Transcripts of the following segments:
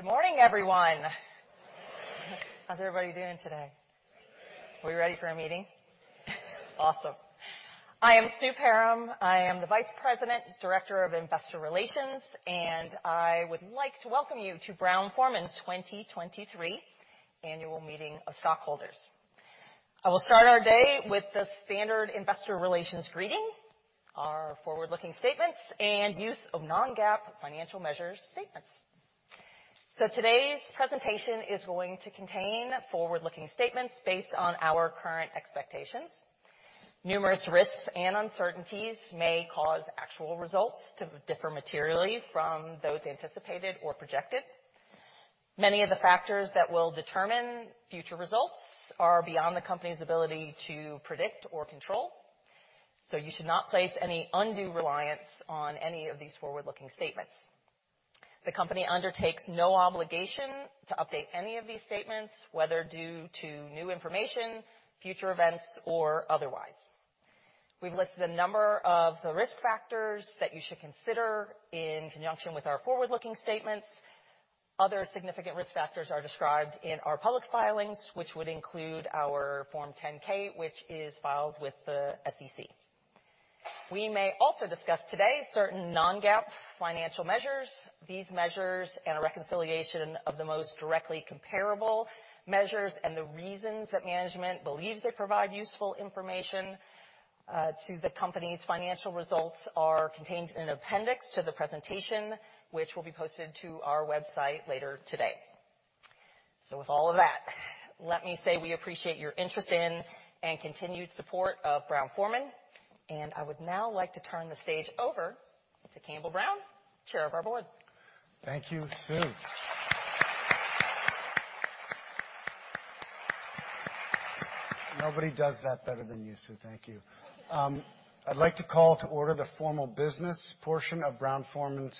Good morning, everyone. Good morning. How's everybody doing today? Good. Are we ready for a meeting? Awesome. I am Sue Perram. I am the Vice President, Director of Investor Relations. I would like to welcome you to Brown-Forman's 2023 annual meeting of Stockholders. I will start our day with the standard investor relations greeting, our forward-looking statements, and use of Non-GAAP financial measures statements. Today's presentation is going to contain forward-looking statements based on our current expectations. Numerous risks and uncertainties may cause actual results to differ materially from those anticipated or projected. Many of the factors that will determine future results are beyond the company's ability to predict or control. You should not place any undue reliance on any of these forward-looking statements. The company undertakes no obligation to update any of these statements, whether due to new information, future events, or otherwise. We've listed a number of the risk factors that you should consider in conjunction with our forward-looking statements. Other significant risk factors are described in our public filings, which would include our Form 10-K, which is filed with the SEC. We may also discuss today certain Non-GAAP financial measures. These measures and a reconciliation of the most directly comparable measures and the reasons that management believes they provide useful information to the company's financial results are contained in an appendix to the presentation, which will be posted to our website later today. With all of that, let me say we appreciate your interest in and continued support of Brown-Forman. I would now like to turn the stage over to Campbell Brown, chair of our board. Thank you, Sue. Nobody does that better than you, Sue. Thank you. I'd like to call to order the formal business portion of Brown-Forman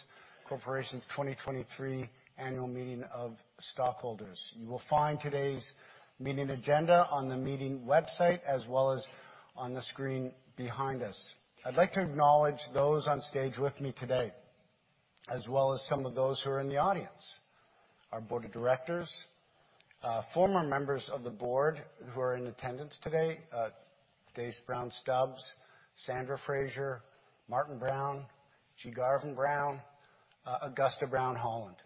Corporation's 2023 annual meeting of Stockholders. You will find today's meeting agenda on the meeting website, as well as on the screen behind us. I'd like to acknowledge those on stage with me today, as well as some of those who are in the audience. Our board of directors, former members of the board who are in attendance today, Dace Brown Stubbs, Sandra Frazier, Martin Brown, G. Garvin Brown, Augusta Brown Holland.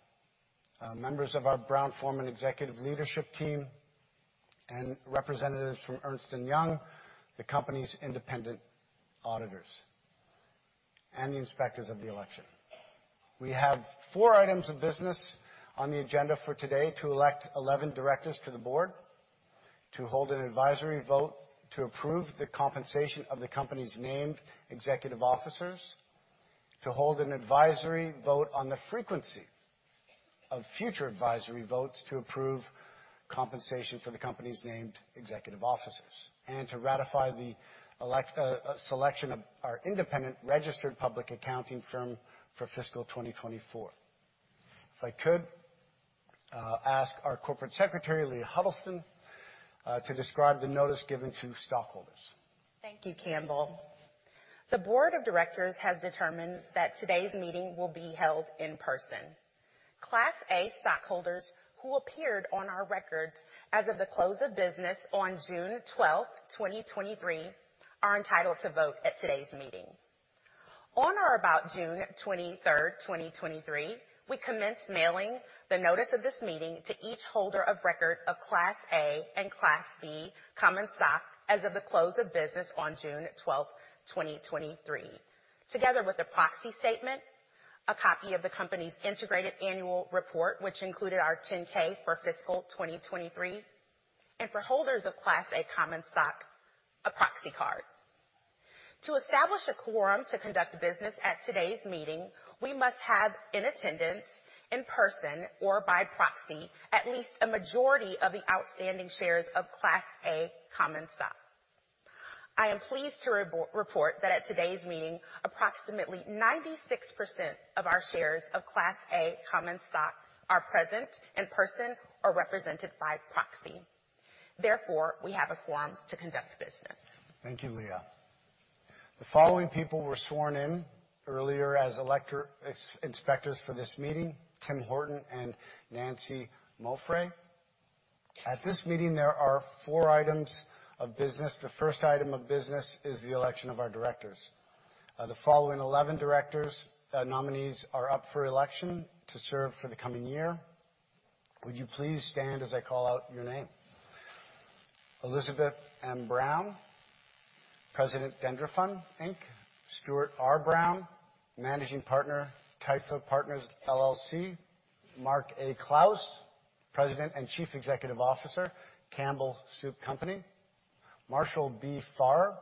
Members of our Brown-Forman Executive Leadership Team and Representatives from Ernst & Young, the company's Independent Auditors, and the Inspectors of the Election. We have four items of business on the agenda for today to elect 11 directors to the board, to hold an advisory vote, to approve the compensation of the company's named executive officers, to hold an advisory vote on the frequency of future advisory votes to approve compensation for the company's named executive officers, and to ratify the selection of our independent registered public accounting firm for fiscal 2024. If I could ask our Corporate Secretary, Leah Huddleston, to describe the notice given to stockholders. Thank you, Campbell. The board of directors has determined that today's meeting will be held in person. Class A stockholders who appeared on our records as of the close of business on June 12, 2023, are entitled to vote at today's meeting. On or about June 23, 2023, we commenced mailing the notice of this meeting to each holder of record of Class A and Class B common stock as of the close of business on June 12, 2023, together with a proxy statement, a copy of the company's integrated annual report, which included our 10-K for fiscal 2023, and for holders of Class A common stock, a proxy card. To establish a quorum to conduct business at today's meeting, we must have in attendance, in person or by proxy, at least a majority of the outstanding shares of Class A common stock. I am pleased to report that at today's meeting, approximately 96% of our shares of Class A common stock are present in person or represented by proxy. We have a quorum to conduct business. Thank you, Leah. The following people were sworn in earlier as inspectors for this meeting, Tim Horton and Nancy Moffett. At this meeting, there are four items of business. The first item of business is the election of our directors. The following 11 directors, nominees are up for election to serve for the coming year. Would you please stand as I call out your name? Elizabeth Ann Brown, President, DendriFund, Inc. Stuart R. Brown, Managing Partner, Typha Partners. Mark A. Clouse, President and Chief Executive Officer, Campbell Soup Company. Marshall B. Farrer,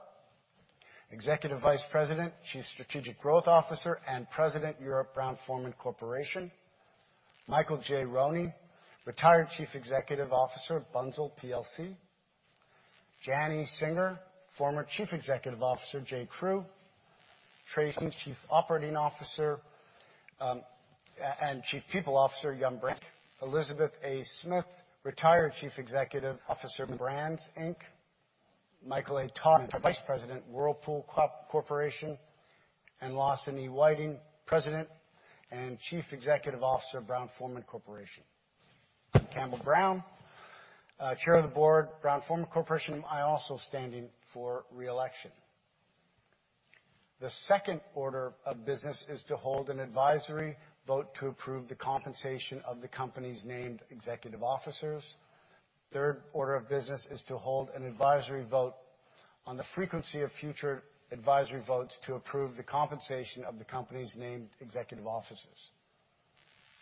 Executive Vice President, Chief Strategic Growth Officer, and President, Europe Brown-Forman. Michael J. Roney, Retired Chief Executive Officer, Bunzl. Janine Singer, former Chief Executive Officer, J.Crew. Tracy, Chief Operating Officer and Chief People Officer, Yum! Brands. Elizabeth A. Smith, Retired Chief Executive Officer, Bloomin' Brands. Michael A. Todman, Vice President, Whirlpool Corporation. Lawson E. Whiting, President and Chief Executive Officer of Brown-Forman Corporation. Campbell Brown, Chair of the Board, Brown-Forman Corporation, I also standing for reelection. The second order of business is to hold an advisory vote to approve the compensation of the company's named executive officers. Third order of business is to hold an advisory vote on the frequency of future advisory votes to approve the compensation of the company's named executive officers.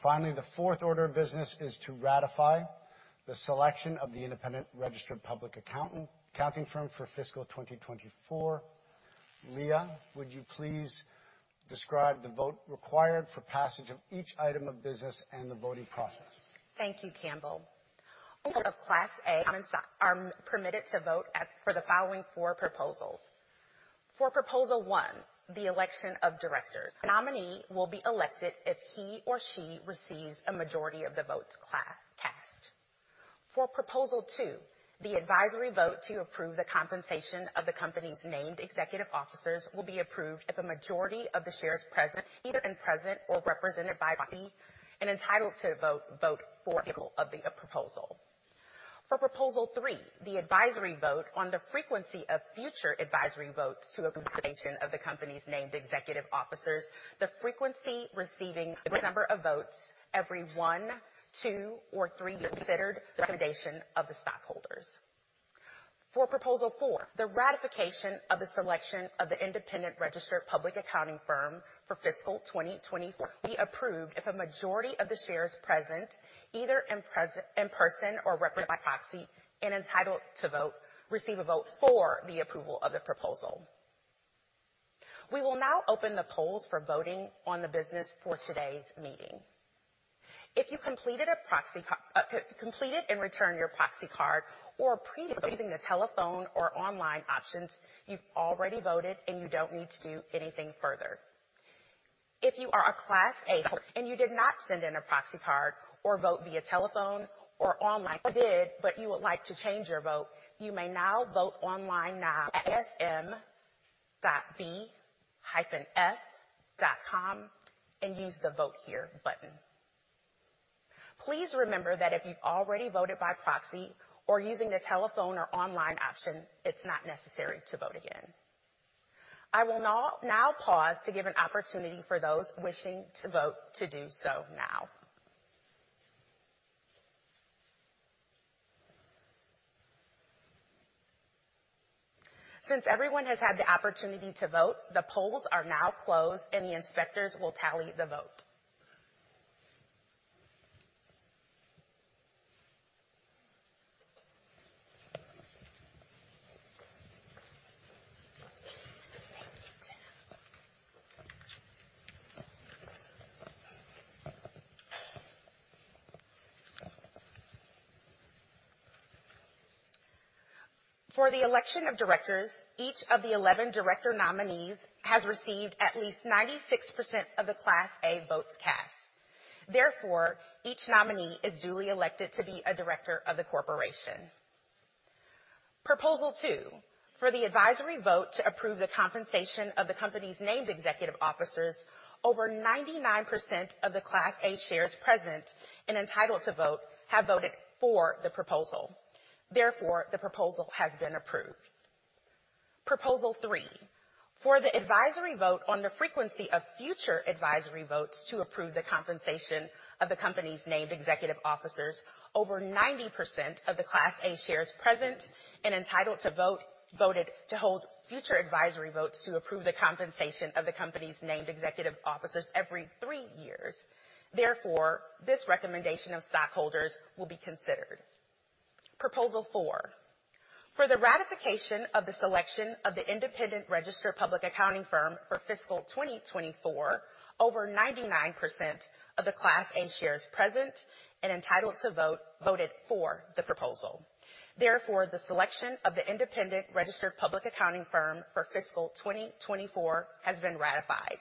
Finally, the fourth order of business is to ratify the selection of the independent registered public accounting firm for fiscal 2024. Leah, would you please describe the vote required for passage of each item of business and the voting process? Thank you, Campbell. Of Class A are permitted to vote for the following four proposals. For proposal one, the election of directors. Nominee will be elected if he or she receives a majority of the votes cast. For proposal two, the advisory vote to approve the compensation of the company's named executive officers will be approved if a majority of the shares present, either in present or represented by proxy, and entitled to vote, vote for approval of the proposal. For proposal three, the advisory vote on the frequency of future advisory votes to approvesation of the company's named executive officers, the frequency receiving the number of votes every one, two, or three years considered the recommendation of the stockholders. For proposal four, the ratification of the selection of the independent registered public accounting firm for fiscal 2024, be approved if a majority of the shares present, either in person or represented by proxy, and entitled to vote, receive a vote for the approval of the proposal. We will now open the polls for voting on the business for today's meeting. If you completed and returned your proxy card or pre using the telephone or online options, you've already voted, and you don't need to do anything further. If you are a Class A, and you did not send in a proxy card or vote via telephone or online, or did, but you would like to change your vote, you may now vote online now at sm.b-f.com and use the Vote Here button. Please remember that if you've already voted by proxy or using the telephone or online option, it's not necessary to vote again. I will now pause to give an opportunity for those wishing to vote to do so now. Everyone has had the opportunity to vote, the polls are now closed, and the inspectors will tally the vote. For the election of directors, each of the 11 director nominees has received at least 96% of the Class A votes cast. Each nominee is duly elected to be a director of the corporation. proposal two, for the advisory vote to approve the compensation of the company's named executive officers, over 99% of the Class A shares present and entitled to vote have voted for the proposal. The proposal has been approved. proposal three, for the advisory vote on the frequency of future advisory votes to approve the compensation of the company's named executive officers, over 90% of the Class A shares present and entitled to vote, voted to hold future advisory votes to approve the compensation of the company's named executive officers every 3 years. Therefore, this recommendation of stockholders will be considered. proposal four, for the ratification of the selection of the independent registered public accounting firm for fiscal 2024, over 99% of the Class A shares present and entitled to vote, voted for the proposal. Therefore, the selection of the independent registered public accounting firm for fiscal 2024 has been ratified.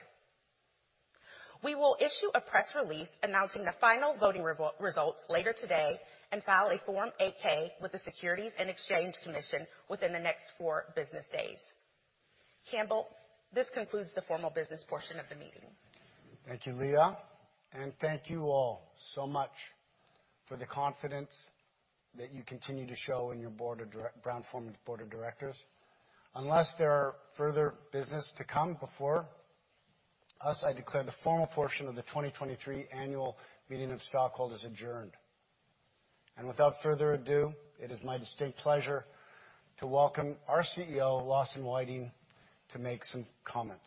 We will issue a press release announcing the final voting results later today and file a Form 8-K with the Securities and Exchange Commission within the next four business days. Campbell, this concludes the formal business portion of the meeting. Thank you, Leah, and thank you all so much for the confidence that you continue to show in your Brown-Forman board of directors. Unless there are further business to come before us, I declare the formal portion of the 2023 annual meeting of stockholders adjourned. Without further ado, it is my distinct pleasure to welcome our CEO, Lawson Whiting, to make some comments.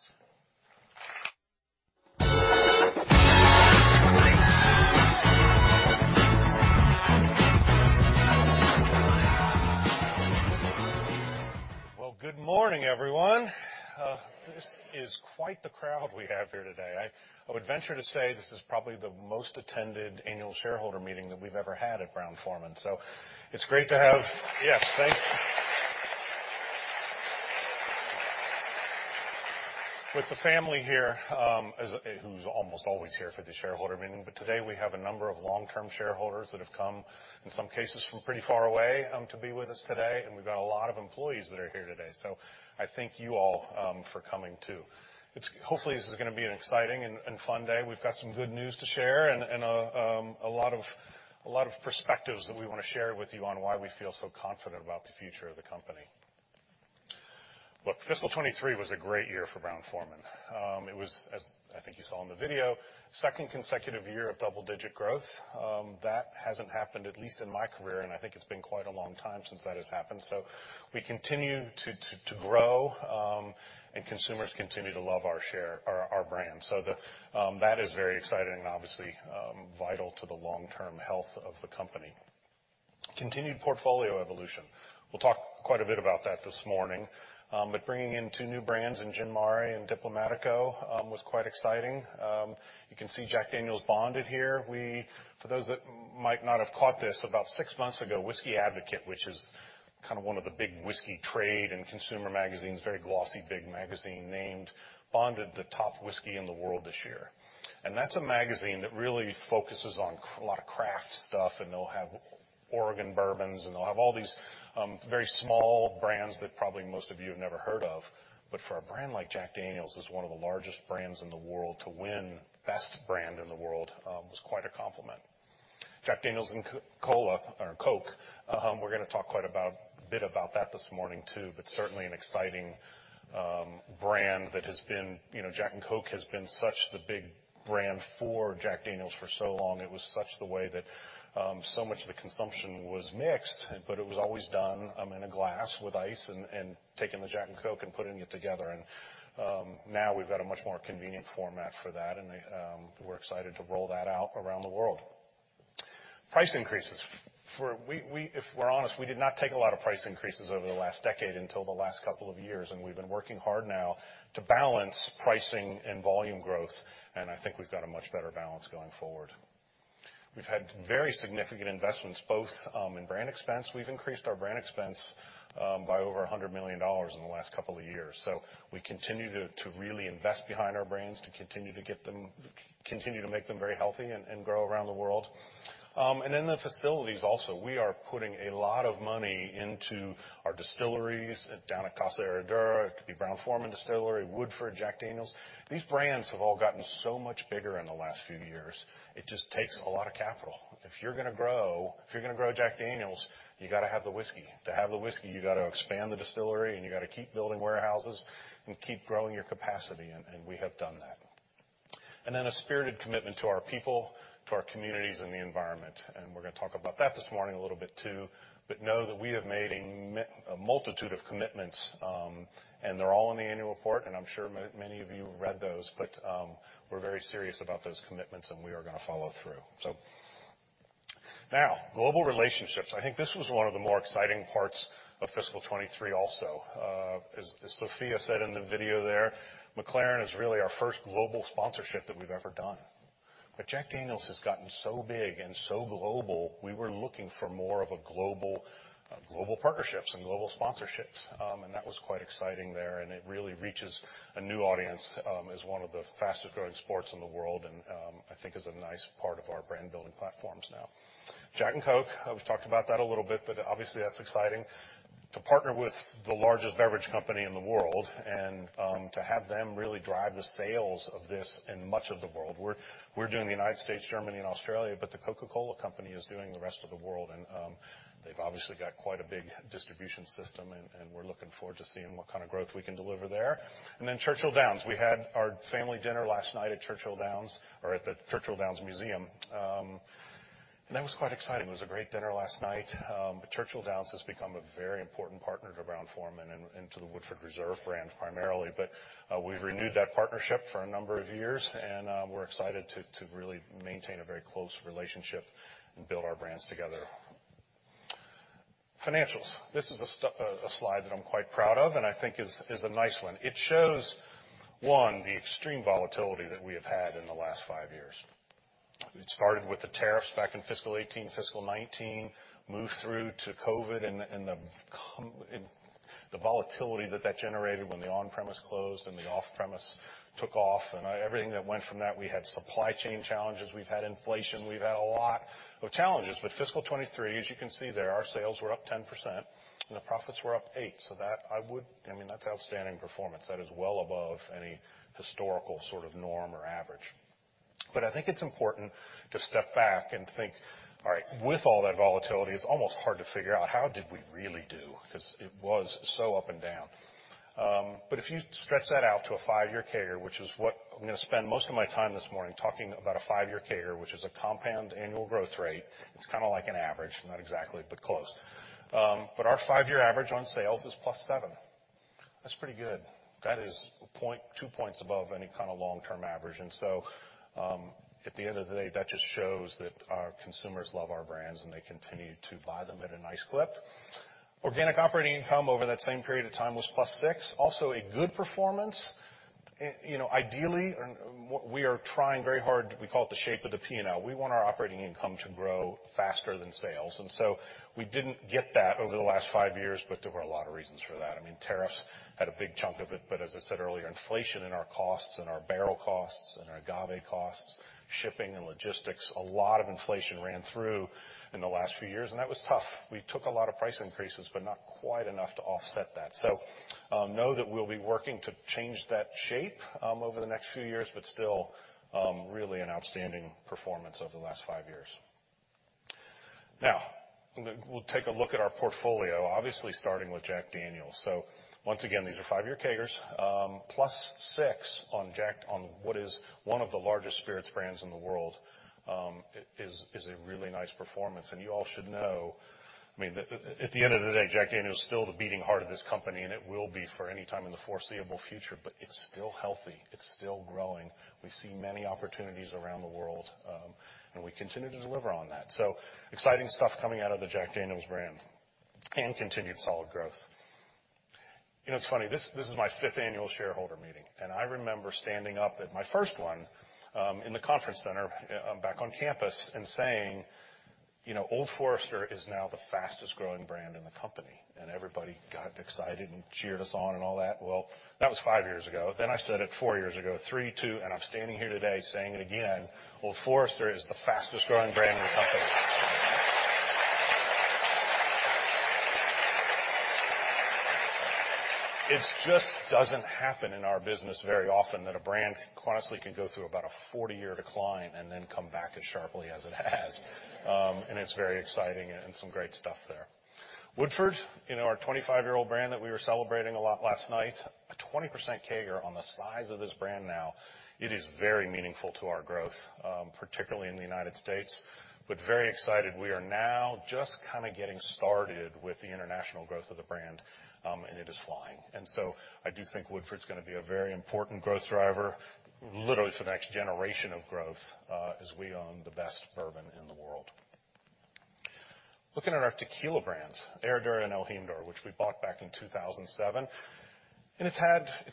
Well, good morning, everyone. This is quite the crowd we have here today. I would venture to say this is probably the most attended annual shareholder meeting that we've ever had at Brown-Forman. It's great to have. Yes, thank you. With the family here, as who's almost always here for the shareholder meeting, Today we have a number of long-term shareholders that have come, in some cases, from pretty far away, to be with us today, and we've got a lot of employees that are here today. I thank you all for coming, too. Hopefully, this is gonna be an exciting and fun day. We've got some good news to share, and a lot of perspectives that we wanna share with you on why we feel so confident about the future of the company. Look, fiscal 23 was a great year for Brown-Forman. It was, as I think you saw in the video, second consecutive year of double-digit growth. That hasn't happened, at least in my career, and I think it's been quite a long time since that has happened. We continue to grow, and consumers continue to love our share, our brand. That is very exciting, obviously, vital to the long-term health of the company. Continued portfolio evolution. We'll talk quite a bit about that this morning, but bringing in two new brands in Gin Mare and Diplomático, was quite exciting. You can see Jack Daniel's Bonded here. We, for those that might not have caught this, about six months ago, Whisky Advocate, which is kind of one of the big whiskey trade and consumer magazines, very glossy, big magazine, named Bonded the top whiskey in the world this year, and that's a magazine that really focuses on a lot of craft stuff, and they'll have Oregon bourbons, and they'll have all these, very small brands that probably most of you have never heard of. For a brand like Jack Daniel's is one of the largest brands in the world, to win best brand in the world, was quite a compliment. Jack Daniel's and C-Cola, or Coke, we're gonna talk quite about, a bit about that this morning, too, but certainly an exciting, brand that has been... You know, Jack and Coke has been such the big brand for Jack Daniel's for so long. It was such the way that, so much of the consumption was mixed, but it was always done, in a glass with ice and taking the Jack and Coke and putting it together, and, now we've got a much more convenient format for that, and, we're excited to roll that out around the world. Price increases. For if we're honest, we did not take a lot of price increases over the last decade until the last couple of years, and we've been working hard now to balance pricing and volume growth, and I think we've got a much better balance going forward. We've had very significant investments, both, in brand expense. We've increased our brand expense by over $100 million in the last couple of years. We continue to really invest behind our brands, to continue to get them, continue to make them very healthy and grow around the world. In the facilities also, we are putting a lot of money into our distilleries down at Casa Herradura. It could be Brown-Forman Distillery, Woodford, Jack Daniel's. These brands have all gotten so much bigger in the last few years. It just takes a lot of capital. If you're gonna grow, if you're gonna grow Jack Daniel's, you gotta have the whiskey. To have the whiskey, you gotta expand the distillery, and you gotta keep building warehouses and keep growing your capacity, and we have done that. A spirited commitment to our people, to our communities, and the environment, and we're gonna talk about that this morning a little bit, too. Know that we have made a multitude of commitments, they're all in the annual report, and I'm sure many of you read those, but we're very serious about those commitments, and we are gonna follow through. Global relationships. I think this was one of the more exciting parts of fiscal 23 also. As Sophia said in the video there, McLaren is really our first global sponsorship that we've ever done. Jack Daniel's has gotten so big and so global, we were looking for more of a global, global partnerships and global sponsorships, and that was quite exciting there, and it really reaches a new audience, as one of the fastest-growing sports in the world, and I think is a nice part of our brand-building platforms now. Jack and Coke, I've talked about that a little bit, but obviously, that's exciting. To partner with the largest beverage company in the world and to have them really drive the sales of this in much of the world. We're doing the United States, Germany, and Australia, but The Coca-Cola Company is doing the rest of the world, and they've obviously got quite a big distribution system, and we're looking forward to seeing what kind of growth we can deliver there. Churchill Downs. We had our family dinner last night at Churchill Downs or at the Churchill Downs Museum. That was quite exciting. It was a great dinner last night. Churchill Downs has become a very important partner to Brown-Forman and to the Woodford Reserve brand, primarily. We've renewed that partnership for a number of years. We're excited to really maintain a very close relationship and build our brands together. Financials. This is a slide that I'm quite proud of, and I think is a nice one. It shows, one, the extreme volatility that we have had in the last 5 years. It started with the tariffs back in fiscal 18, fiscal 19, moved through to COVID, and the volatility that generated when the on-premise closed, and the off-premise took off, and everything that went from that. We had supply chain challenges. We've had inflation. We've had a lot of challenges, fiscal 23, as you can see there, our sales were up 10%, and the profits were up 8. I mean, that's outstanding performance. That is well above any historical sort of norm or average. I think it's important to step back and think, all right, with all that volatility, it's almost hard to figure out how did we really do? 'Cause it was so up and down. If you stretch that out to a 5-year CAGR, which is what I'm gonna spend most of my time this morning talking about a 5-year CAGR, which is a compound annual growth rate. It's kinda like an average, not exactly, but close. Our 5-year average on sales is +7. That's pretty good. That is 2 points above any kinda long-term average. At the end of the day, that just shows that our consumers love our brands, and they continue to buy them at a nice clip. Organic operating income over that same period of time was +6, also a good performance. You know, ideally, what we are trying very hard, we call it the shape of the P&L. We want our operating income to grow faster than sales, and so we didn't get that over the last five years, but there were a lot of reasons for that. I mean, tariffs had a big chunk of it, but as I said earlier, inflation in our costs and our barrel costs and our agave costs, shipping and logistics, a lot of inflation ran through in the last few years, and that was tough. We took a lot of price increases, but not quite enough to offset that. Know that we'll be working to change that shape over the next few years, but still, really an outstanding performance over the last five years. Now, we'll take a look at our portfolio, obviously starting with Jack Daniel's. Once again, these are five-year CAGRs. +6 on Jack, on what is one of the largest spirits brands in the world, is a really nice performance. You all should know, I mean, at the end of the day, Jack Daniel's is still the beating heart of this company, and it will be for anytime in the foreseeable future, but it's still healthy. It's still growing. We see many opportunities around the world, we continue to deliver on that. Exciting stuff coming out of the Jack Daniel's brand, continued solid growth. You know, it's funny, this is my fifth annual shareholder meeting, I remember standing up at my first one, in the conference center, back on campus, saying, "You know, Old Forester is now the fastest-growing brand in the company." Everybody got excited and cheered us on and all that. That was five years ago. I said it four years ago, three, two, and I'm standing here today saying it again, Old Forester is the fastest-growing brand in the company. It just doesn't happen in our business very often that a brand honestly can go through about a 40-year decline and then come back as sharply as it has. And it's very exciting and some great stuff there. Woodford, you know, our 25-year-old brand that we were celebrating a lot last night, a 20% CAGR on the size of this brand now, it is very meaningful to our growth, particularly in the United States. Very excited, we are now just kinda getting started with the international growth of the brand, and it is flying. I do think Woodford's gonna be a very important growth driver, literally for the next generation of growth, as we own the best bourbon in the world. Looking at our tequila brands, Herradura and El Jimador, which we bought back in 2007, and it's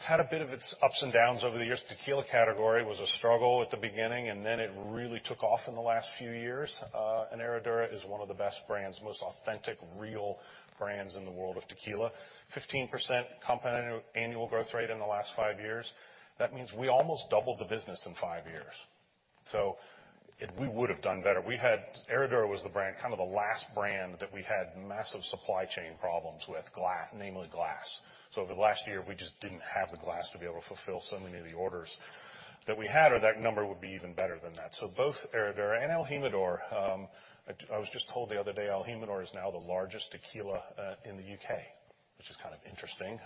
had a bit of its ups and downs over the years. Tequila category was a struggle at the beginning, then it really took off in the last few years. Herradura is one of the best brands, most authentic, real brands in the world of tequila. 15% compounded annual growth rate in the last five years. That means we almost doubled the business in five years. If we would have done better, we had Herradura was the brand, kind of the last brand that we had massive supply chain problems with namely glass. Over the last year, we just didn't have the glass to be able to fulfill so many of the orders that we had, or that number would be even better than that. Both Herradura and El Jimador, I was just told the other day, El Jimador is now the largest tequila in the UK, which is kind of interesting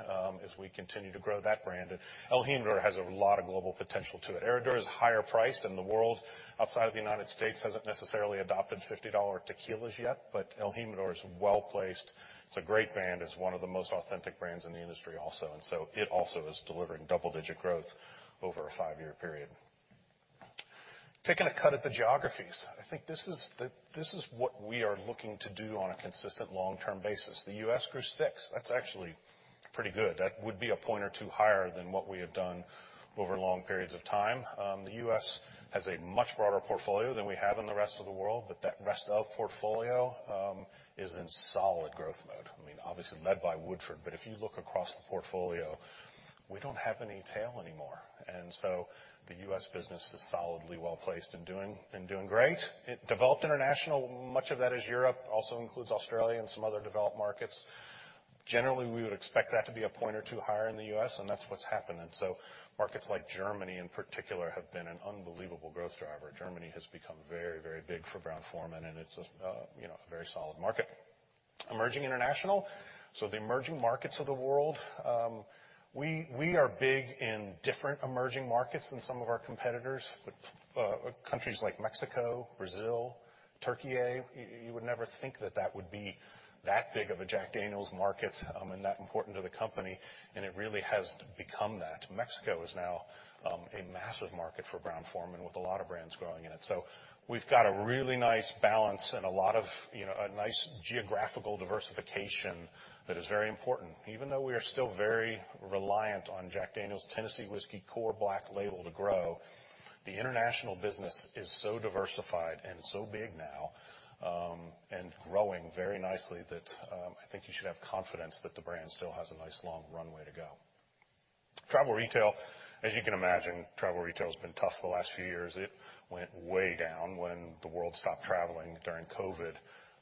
as we continue to grow that brand. El Jimador has a lot of global potential to it. Herradura is higher priced, and the world outside of the United States hasn't necessarily adopted $50 tequilas yet, but El Jimador is well-placed. It's a great brand. It's one of the most authentic brands in the industry also, and so it also is delivering double-digit growth over a five-year period. Taking a cut at the geographies, I think this is what we are looking to do on a consistent long-term basis. The U.S. grew six. That's actually pretty good. That would be a point or two higher than what we have done over long periods of time. The U.S. has a much broader portfolio than we have in the rest of the world, but that rest of portfolio is in solid growth mode. I mean, obviously, led by Woodford, but if you look across the portfolio, we don't have any tail anymore. The U.S. business is solidly well-placed and doing great. It developed international. Much of that is Europe, also includes Australia and some other developed markets. Generally, we would expect that to be a point or two higher in the U.S., and that's what's happened. Markets like Germany, in particular, have been an unbelievable growth driver. Germany has become very, very big for Brown-Forman, and it's a, you know, a very solid market. Emerging international, so the emerging markets of the world, we are big in different emerging markets than some of our competitors, countries like Mexico, Brazil, Türkiye. You would never think that that would be that big of a Jack Daniel's market, and that important to the company, and it really has become that. Mexico is now a massive market for Brown-Forman, with a lot of brands growing in it. We've got a really nice balance and a lot of, you know, a nice geographical diversification that is very important. Even though we are still very reliant on Jack Daniel's Tennessee Whiskey core black label to grow, the international business is so diversified and so big now, and growing very nicely, that, I think you should have confidence that the brand still has a nice, long runway to go. Travel retail. As you can imagine, travel retail has been tough the last few years. It went way down when the world stopped traveling during COVID,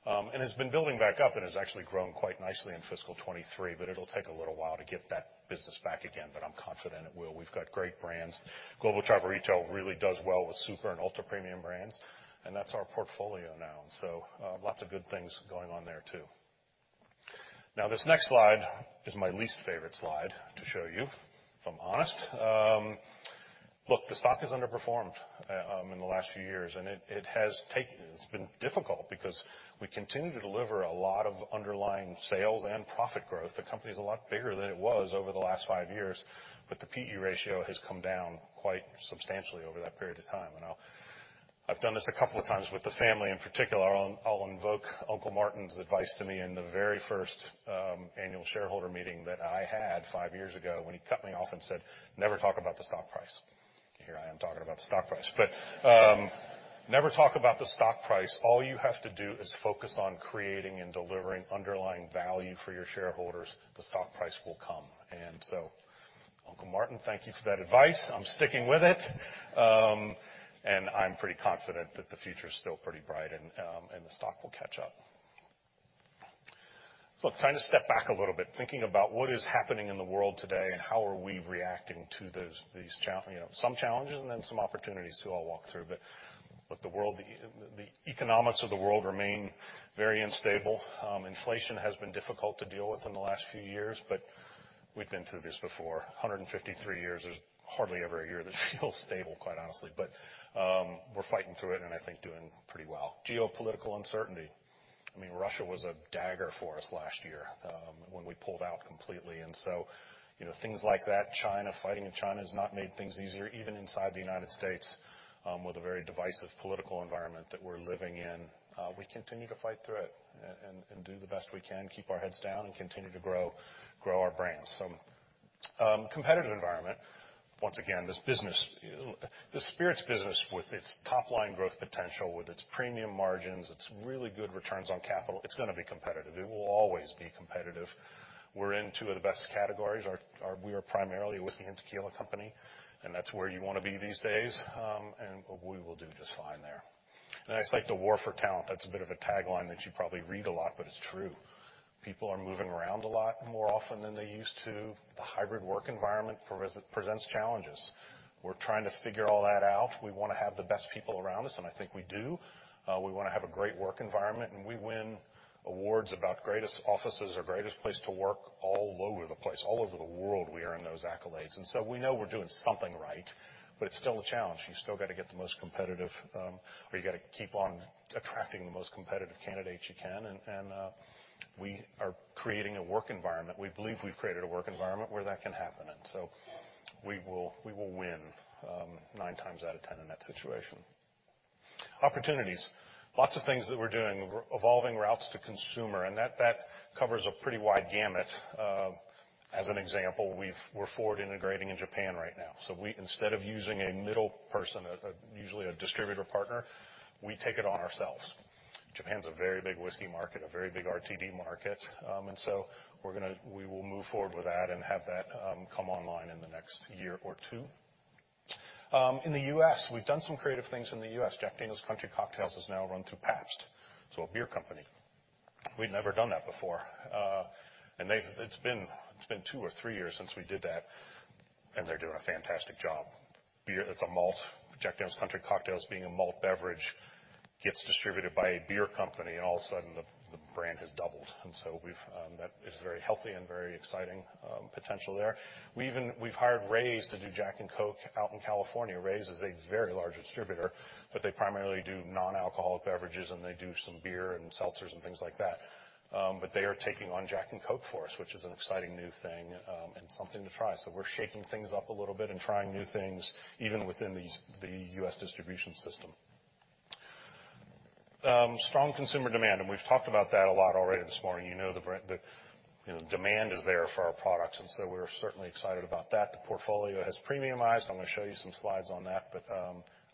and has been building back up and has actually grown quite nicely in fiscal 23, but it'll take a little while to get that business back again, but I'm confident it will. We've got great brands. Global travel retail really does well with super and ultra-premium brands, and that's our portfolio now, and so, lots of good things going on there, too. This next slide is my least favorite slide to show you, if I'm honest. Look, the stock has underperformed in the last few years, and it's been difficult because we continue to deliver a lot of underlying sales and profit growth. The company's a lot bigger than it was over the last five years, but the P/E ratio has come down quite substantially over that period of time. I've done this a couple of times with the family in particular. I'll invoke Uncle Martin's advice to me in the very first annual shareholder meeting that I had five years ago, when he cut me off and said, "Never talk about the stock price." Here I am talking about the stock price. Never talk about the stock price. All you have to do is focus on creating and delivering underlying value for your shareholders. The stock price will come. Uncle Martin, thank you for that advice. I'm sticking with it. I'm pretty confident that the future is still pretty bright, and the stock will catch up. Look, trying to step back a little bit, thinking about what is happening in the world today, and how are we reacting to some challenges and then some opportunities to all walk through. The world, the economics of the world remain very unstable. Inflation has been difficult to deal with in the last few years, but we've been through this before. 153 years is hardly ever a year that feels stable, quite honestly. We're fighting through it, and I think doing pretty well. Geopolitical uncertainty. I mean, Russia was a dagger for us last year, when we pulled out completely, and so, you know, things like that, China, fighting in China has not made things easier, even inside the United States, with a very divisive political environment that we're living in. We continue to fight through it, and do the best we can, keep our heads down, and continue to grow our brands. Competitive environment. Once again, this business, the spirits business, with its top-line growth potential, with its premium margins, its really good returns on capital, it's gonna be competitive. It will always be competitive. We're in two of the best categories. Our we are primarily a whiskey and tequila company, and that's where you wanna be these days. We will do just fine there. I just like the war for talent. That's a bit of a tagline that you probably read a lot, but it's true. People are moving around a lot more often than they used to. The hybrid work environment presents challenges. We're trying to figure all that out. We wanna have the best people around us, and I think we do. We wanna have a great work environment, and we win awards about greatest offices or greatest place to work all over the place. All over the world, we are in those accolades, and so we know we're doing something right, but it's still a challenge. You still gotta get the most competitive, or you gotta keep on attracting the most competitive candidates you can. We are creating a work environment. We believe we've created a work environment where that can happen, we will win, 9 times out of 10 in that situation. Opportunities, lots of things that we're doing, evolving routes to consumer, that covers a pretty wide gamut. As an example, we're forward integrating in Japan right now. We, instead of using a middle person, a usually a distributor partner, we take it on ourselves. Japan's a very big whiskey market, a very big RTD market. We will move forward with that and have that come online in the next year or two. In the U.S., we've done some creative things in the U.S. Jack Daniel's Country Cocktails is now run through Pabst, so a beer company. We'd never done that before, they've. It's been two or three years since we did that. They're doing a fantastic job. Beer, it's a malt. Jack Daniel's Country Cocktails, being a malt beverage, gets distributed by a beer company. All of a sudden, the brand has doubled. We've... That is very healthy and very exciting potential there. We've hired Reyes to do Jack and Coke out in California. Reyes is a very large distributor. They primarily do non-alcoholic beverages, and they do some beer and seltzers and things like that. They are taking on Jack and Coke for us, which is an exciting new thing and something to try. We're shaking things up a little bit and trying new things, even within the U.S. distribution system. Strong consumer demand, we've talked about that a lot already this morning. You know, the, you know, demand is there for our products, we're certainly excited about that. The portfolio has premiumized. I'm gonna show you some slides on that,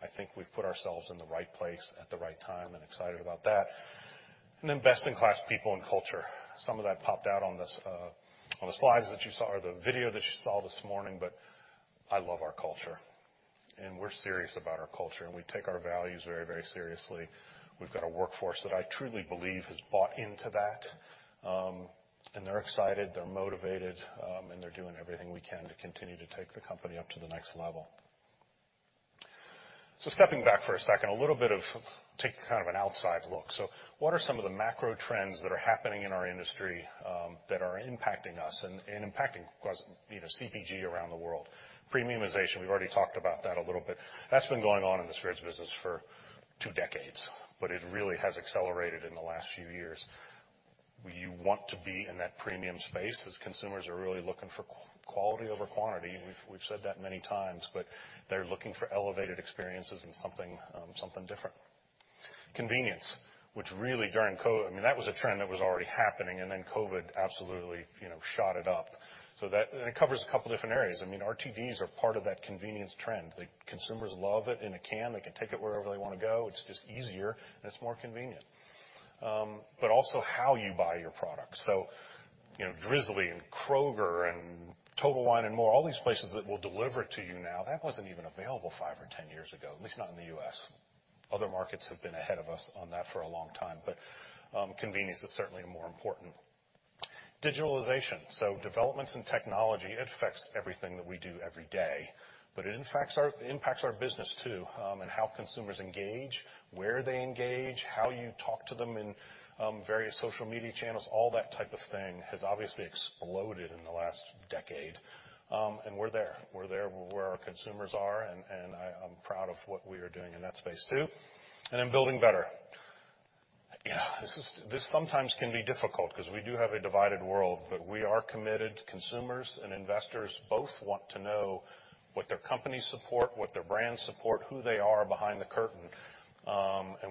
I think we've put ourselves in the right place at the right time and excited about that. Best-in-class people and culture. Some of that popped out on the slides that you saw or the video that you saw this morning, I love our culture, we're serious about our culture, we take our values very, very seriously. We've got a workforce that I truly believe has bought into that, they're excited, they're motivated, they're doing everything we can to continue to take the company up to the next level. Stepping back for a second, a little bit of take kind of an outside look. What are some of the macro trends that are happening in our industry, that are impacting us and, and impacting, of course, you know, CPG around the world? Premiumization, we've already talked about that a little bit. That's been going on in the spirits business for two decades, but it really has accelerated in the last few years. You want to be in that premium space as consumers are really looking for quality over quantity. We've said that many times, but they're looking for elevated experiences and something, something different. Convenience, which really during COVID, I mean, that was a trend that was already happening, and then COVID absolutely, you know, shot it up. It covers a couple different areas. I mean, RTDs are part of that convenience trend. The consumers love it in a can. They can take it wherever they want to go. It's just easier, and it's more convenient. Also how you buy your products. You know, Drizly and Kroger and Total Wine & More, all these places that will deliver it to you now, that wasn't even available 5 or 10 years ago, at least not in the U.S. Other markets have been ahead of us on that for a long time, convenience is certainly more important. Digitalization, developments in technology, it affects everything that we do every day, it impacts our business, too, how consumers engage, where they engage, how you talk to them in various social media channels, all that type of thing has obviously exploded in the last decade. We're there. We're there where our consumers are, and I'm proud of what we are doing in that space, too. Then building better. Yeah, this is, this sometimes can be difficult, because we do have a divided world. We are committed. Consumers and investors both want to know what their companies support, what their brands support, who they are behind the curtain.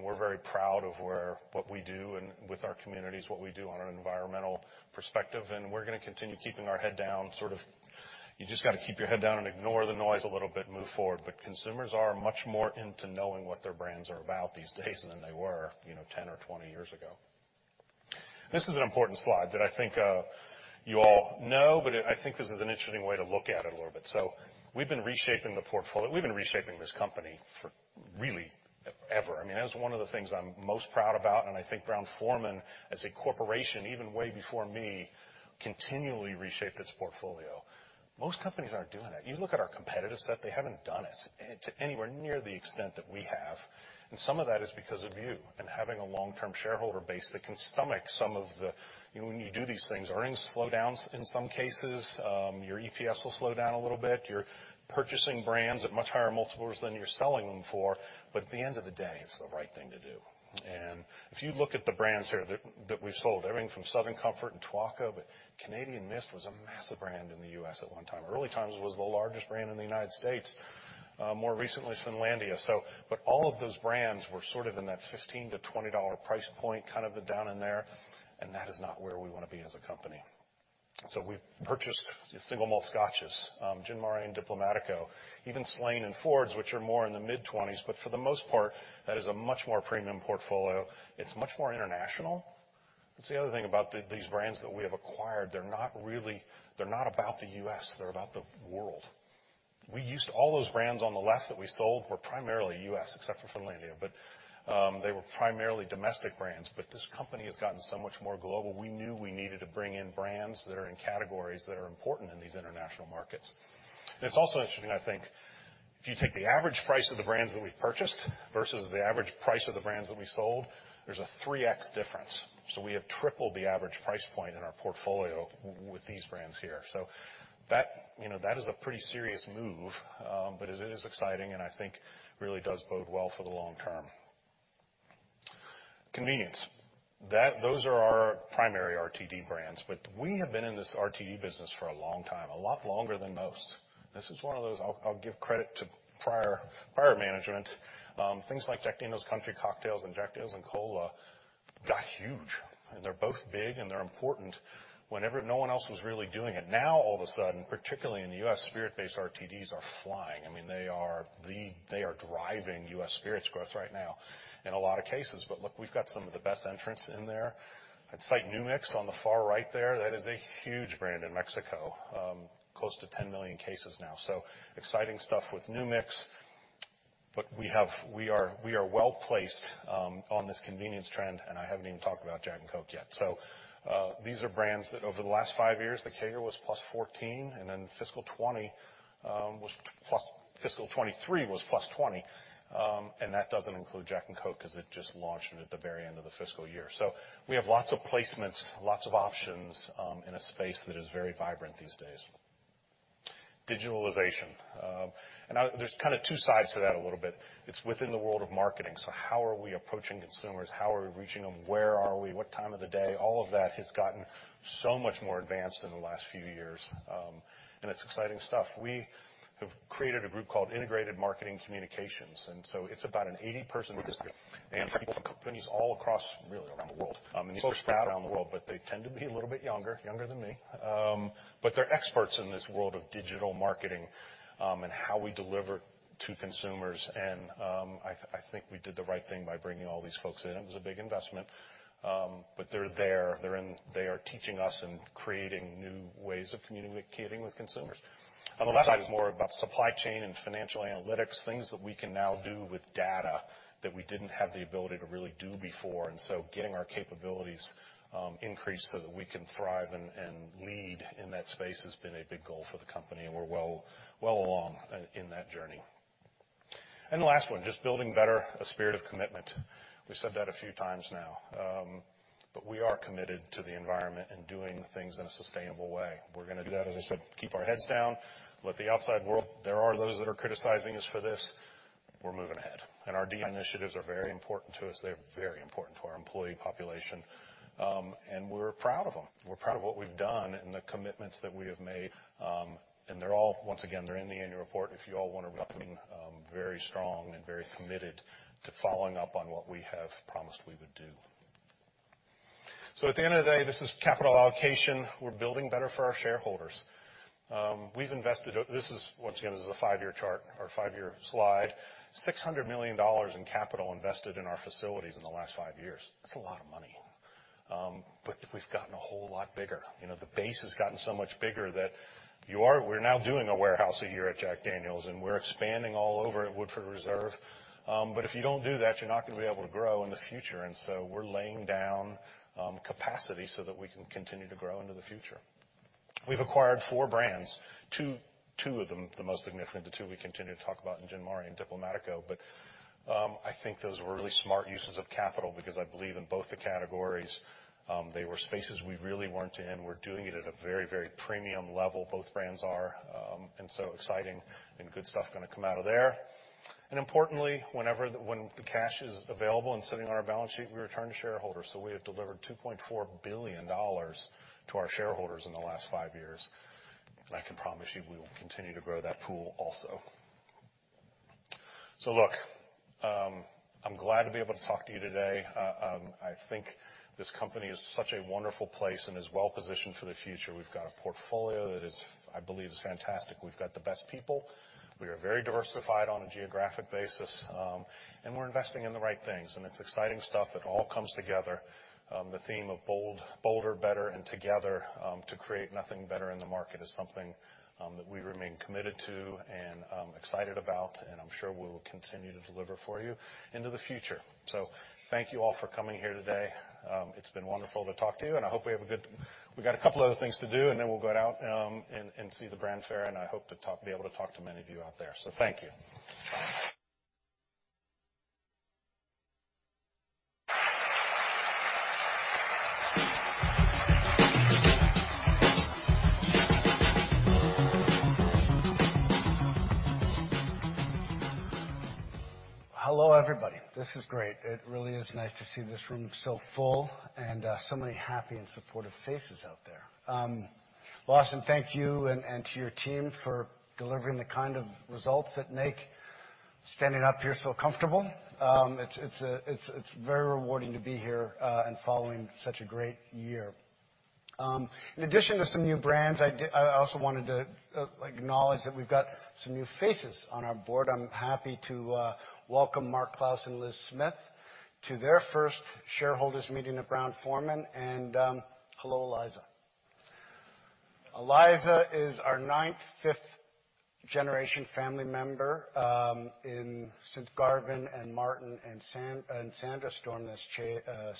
We're very proud of where, what we do and with our communities, what we do on an environmental perspective. We're gonna continue keeping our head down, sort of. You just gotta keep your head down and ignore the noise a little bit and move forward. Consumers are much more into knowing what their brands are about these days than they were, you know, 10 or 20 years ago. This is an important slide that I think, you all know, but I think this is an interesting way to look at it a little bit. We've been reshaping the portfolio. We've been reshaping this company for really, ever. I mean, that was one of the things I'm most proud about, and I think Brown-Forman, as a corporation, even way before me, continually reshaped its portfolio. Most companies aren't doing it. You look at our competitive set, they haven't done it, to anywhere near the extent that we have. Some of that is because of you and having a long-term shareholder base that can stomach some of the... You know, when you do these things, earnings slow down in some cases, your EPS will slow down a little bit. You're purchasing brands at much higher multiples than you're selling them for. At the end of the day, it's the right thing to do. If you look at the brands here that we've sold, everything from Southern Comfort and Tuaca, Canadian Mist was a massive brand in the U.S. at one time. Early Times was the largest brand in the United States, more recently, Finlandia. All of those brands were sort of in that $15-$20 price point, kind of down in there, and that is not where we want to be as a company. We've purchased the single malt scotches, Gin Mare and Diplomático, even Slane and Fords, which are more in the mid-$20s. For the most part, that is a much more premium portfolio. It's much more international. That's the other thing about the, these brands that we have acquired, they're not about the U.S., they're about the world. All those brands on the left that we sold were primarily U.S., except for Finlandia, but they were primarily domestic brands, but this company has gotten so much more global. We knew we needed to bring in brands that are in categories that are important in these international markets. It's also interesting, I think, if you take the average price of the brands that we've purchased versus the average price of the brands that we sold, there's a 3x difference. We have tripled the average price point in our portfolio with these brands here. That, you know, that is a pretty serious move, but it is exciting, and I think really does bode well for the long term. Convenience. Those are our primary RTD brands, but we have been in this RTD business for a long time, a lot longer than most. This is one of those I'll give credit to prior management. Things like Jack Daniel's Country Cocktails and Jack Daniel's and Cola got huge, and they're both big, and they're important. Whenever no one else was really doing it, now, all of a sudden, particularly in the U.S., spirit-based RTDs are flying. I mean, they are driving U.S. spirits growth right now in a lot of cases. Look, we've got some of the best entrants in there. I'd cite New Mix on the far right there. That is a huge brand in Mexico, close to 10 million cases now. Exciting stuff with New Mix, but we are well-placed on this convenience trend, and I haven't even talked about Jack and Coke yet. These are brands that over the last 5 years, the CAGR was +14, and then fiscal 20. Fiscal 23 was +20, and that doesn't include Jack and Coke because it just launched at the very end of the fiscal year. We have lots of placements, lots of options, in a space that is very vibrant these days. Digitalization. There's kind of two sides to that a little bit. It's within the world of marketing, so how are we approaching consumers? How are we reaching them? Where are we? What time of the day? All of that has gotten so much more advanced in the last few years. It's exciting stuff. We have created a group called Integrated Marketing Communications. It's about an 80-person business. People from companies all across, really, around the world. These are spread around the world, but they tend to be a little bit younger than me. They're experts in this world of digital marketing and how we deliver to consumers. I think we did the right thing by bringing all these folks in. It was a big investment. They're there. They are teaching us and creating new ways of communicating with consumers. On the left side is more about supply chain and financial analytics, things that we can now do with data that we didn't have the ability to really do before, and so getting our capabilities increased so that we can thrive and lead in that space has been a big goal for the company, and we're well along in that journey. The last one, just building better, a spirit of commitment. We've said that a few times now, but we are committed to the environment and doing things in a sustainable way. We're gonna do that, as I said, keep our heads down, let the outside world. There are those that are criticizing us for this. We're moving ahead, and our DEI initiatives are very important to us. They're very important to our employee population, and we're proud of them. We're proud of what we've done and the commitments that we have made. They're all, once again, they're in the annual report, if you all want to. Very strong and very committed to following up on what we have promised we would do. At the end of the day, this is capital allocation. We're building better for our shareholders. We've invested, this is, once again, this is a 5-year chart or 5-year slide, $600 million in capital invested in our facilities in the last 5 years. That's a lot of money. We've gotten a whole lot bigger. You know, the base has gotten so much bigger that we're now doing a warehouse a year at Jack Daniel's, and we're expanding all over at Woodford Reserve. If you don't do that, you're not gonna be able to grow in the future, we're laying down capacity so that we can continue to grow into the future. We've acquired four brands, two of them, the most significant, the two we continue to talk about, in Jim Murray and Diplomático. I think those were really smart uses of capital, because I believe in both the categories, they were spaces we really weren't in. We're doing it at a very, very premium level. Both brands are, and so exciting and good stuff gonna come out of there. Importantly, whenever the cash is available and sitting on our balance sheet, we return to shareholders. We have delivered $2.4 billion to our shareholders in the last 5 years, and I can promise you, we will continue to grow that pool also. Look, I'm glad to be able to talk to you today. I think this company is such a wonderful place and is well positioned for the future. We've got a portfolio that is, I believe, is fantastic. We've got the best people. We are very diversified on a geographic basis, and we're investing in the right things, and it's exciting stuff that all comes together. The theme of bold, bolder, better and together, to create nothing better in the market is something that we remain committed to and excited about, and I'm sure we will continue to deliver for you into the future. Thank you all for coming here today. It's been wonderful to talk to you, and I hope we have. We've got a couple other things to do, and then we'll go out and see the brand fair, and I hope to be able to talk to many of you out there. Thank you. Hello, everybody. This is great. It really is nice to see this room so full and so many happy and supportive faces out there. Lawson, thank you and to your team for delivering the kind of results that make standing up here so comfortable. It's very rewarding to be here and following such a great year. In addition to some new brands, I also wanted to acknowledge that we've got some new faces on our board. I'm happy to welcome Mark Klaus and Liz Smith to their first shareholders meeting at Brown-Forman. Hello, Eliza. Eliza is our ninth fifth-generation family member since Garvin and Martin and Sandra stormed this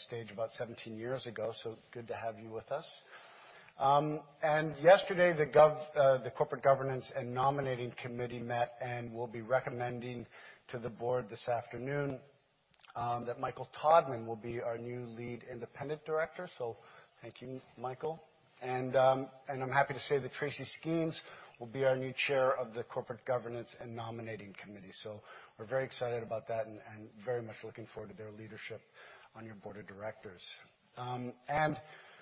stage about 17 years ago, so good to have you with us. Yesterday, the Corporate Governance and Nominating Committee met and will be recommending to the board this afternoon, that Michael Todman will be our new lead independent director. Thank you, Michael. I'm happy to say that Tracy Skeans will be our new chair of the Corporate Governance and Nominating Committee. We're very excited about that and very much looking forward to their leadership on your board of directors.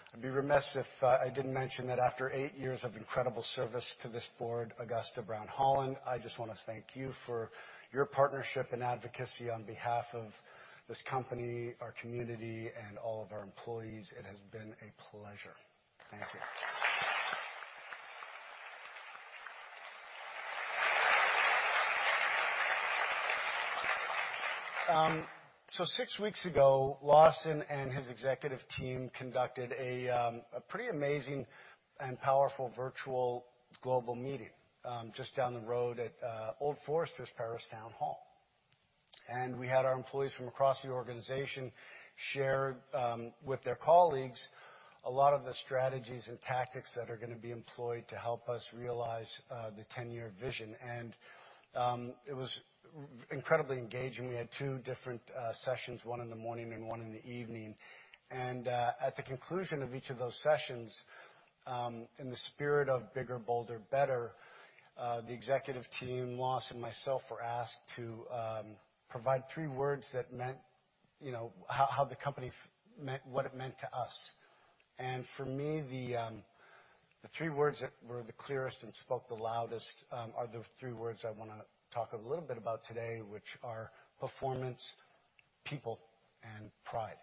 I'd be remiss if I didn't mention that after eight years of incredible service to this board, Augusta Brown Holland, I just want to thank you for your partnership and advocacy on behalf of this company, our community, and all of our employees. It has been a pleasure. Thank you. Six weeks ago, Lawson and his executive team conducted a pretty amazing and powerful virtual global meeting just down the road at Old Forester's Paristown Hall. We had our employees from across the organization share with their colleagues, a lot of the strategies and tactics that are gonna be employed to help us realize the 10-year vision. It was incredibly engaging. We had two different sessions, one in the morning and one in the evening. At the conclusion of each of those sessions, in the spirit of bigger, bolder, better, the executive team, Lawson, and myself were asked to provide three words that meant, you know, how the company what it meant to us. For me, the three words that were the clearest and spoke the loudest are the three words I wanna talk a little bit about today, which are performance, people, and pride.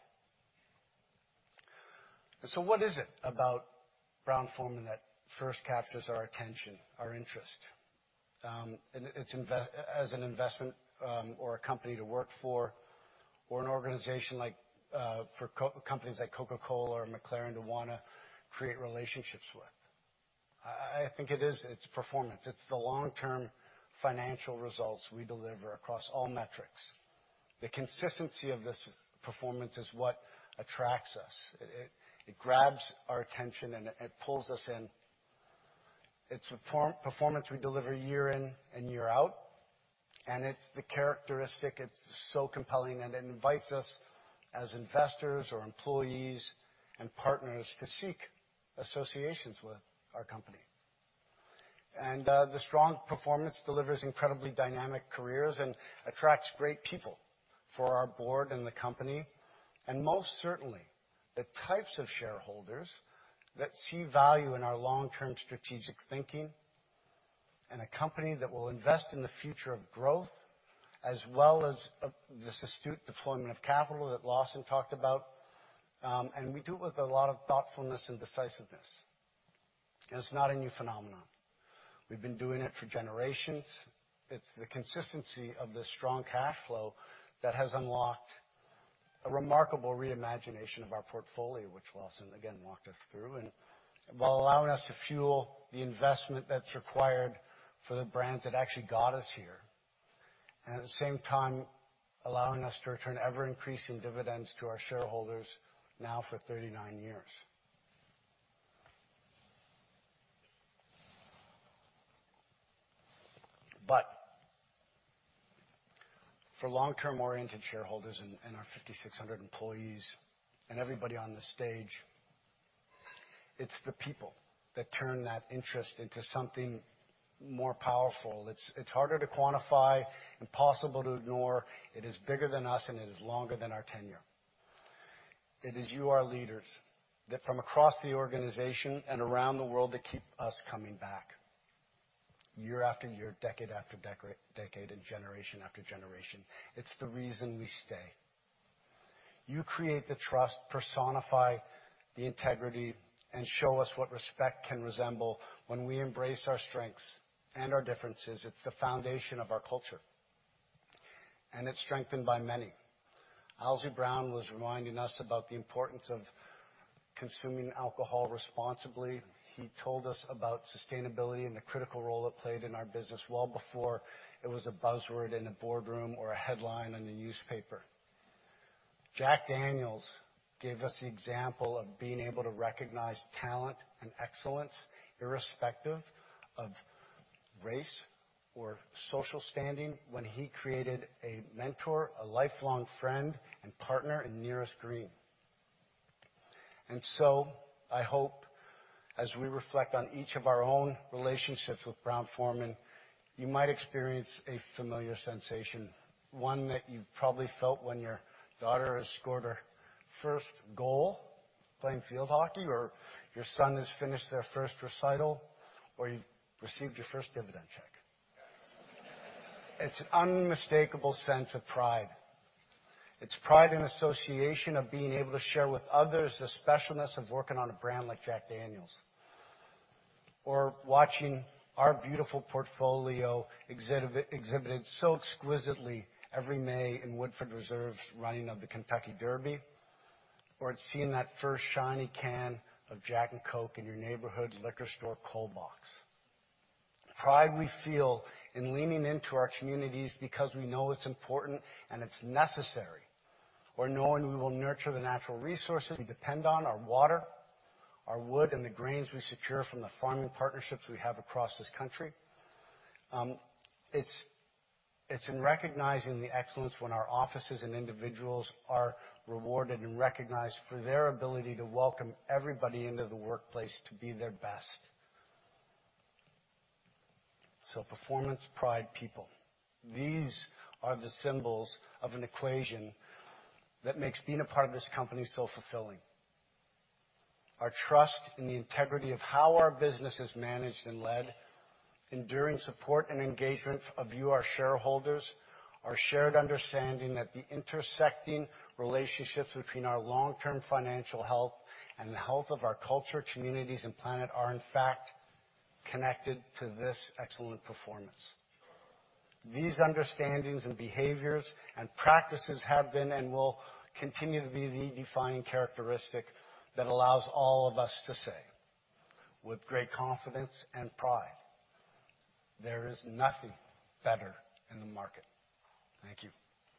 What is it about Brown-Forman that first captures our attention, our interest? It's as an investment or a company to work for, or an organization like for companies like Coca-Cola or McLaren to wanna create relationships with? I think it is, it's performance. It's the long-term financial results we deliver across all metrics. The consistency of this performance is what attracts us. It grabs our attention, and it pulls us in. It's performance we deliver year in and year out, and it's the characteristic. It's so compelling, and it invites us as investors or employees and partners to seek associations with our company. The strong performance delivers incredibly dynamic careers and attracts great people for our board and the company, and most certainly, the types of shareholders that see value in our long-term strategic thinking, and a company that will invest in the future of growth, as well as this astute deployment of capital that Lawson talked about. We do it with a lot of thoughtfulness and decisiveness, and it's not a new phenomenon. We've been doing it for generations. It's the consistency of this strong cash flow that has unlocked a remarkable reimagination of our portfolio, which Lawson again walked us through, and while allowing us to fuel the investment that's required for the brands that actually got us here, and at the same time, allowing us to return ever-increasing dividends to our shareholders now for 39 years. For long-term-oriented shareholders and our 5,600 employees and everybody on the stage. It's the people that turn that interest into something more powerful. It's harder to quantify, impossible to ignore. It is bigger than us, and it is longer than our tenure. It is you, our leaders, that from across the organization and around the world, that keep us coming back year after year, decade after decade, and generation after generation. It's the reason we stay. You create the trust, personify the integrity, and show us what respect can resemble when we embrace our strengths and our differences. It's the foundation of our culture, and it's strengthened by many. Owsley Brown was reminding us about the importance of consuming alcohol responsibly. He told us about sustainability and the critical role it played in our business well before it was a buzzword in a boardroom or a headline in a newspaper. Jack Daniel gave us the example of being able to recognize talent and excellence, irrespective of race or social standing, when he created a mentor, a lifelong friend, and partner in Nearest Green. I hope, as we reflect on each of our own relationships with Brown-Forman, you might experience a familiar sensation, one that you've probably felt when your daughter has scored her first goal playing field hockey, or your son has finished their first recital, or you've received your first dividend check. It's an unmistakable sense of pride. It's pride in association of being able to share with others the specialness of working on a brand like Jack Daniel's. Or watching our beautiful portfolio exhibited so exquisitely every May in Woodford Reserve's running of the Kentucky Derby. Or it's seeing that first shiny can of Jack and Coke in your neighborhood liquor store cold box. Pride we feel in leaning into our communities because we know it's important, and it's necessary, or knowing we will nurture the natural resources we depend on, our water, our wood, and the grains we secure from the farming partnerships we have across this country. It's in recognizing the excellence when our offices and individuals are rewarded and recognized for their ability to welcome everybody into the workplace to be their best. Performance, pride, people. These are the symbols of an equation that makes being a part of this company so fulfilling. Our trust in the integrity of how our business is managed and led, enduring support and engagement of you, our shareholders, our shared understanding that the intersecting relationships between our long-term financial health and the health of our culture, communities, and planet are, in fact, connected to this excellent performance. These understandings and behaviors and practices have been and will continue to be the defining characteristic that allows all of us to say with great confidence and pride, "There is nothing better in the market." Thank you.